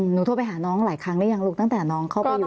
หนูโทรไปหาน้องหลายครั้งหรือยังลูกตั้งแต่น้องเข้าไปอยู่